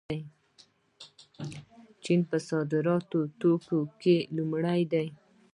چین صادراتي توکو کې لومړی دی.